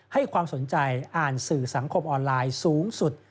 ให้ความสนใจอ่านสื่อสังคมออนไลน์สูงสุด